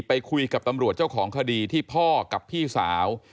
ไปคุยกับตำรวจเจ้าของคดีที่พ่อกับพี่สาว